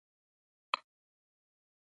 ایا خلک کولای شي پایداره سولې ته ورسیږي؟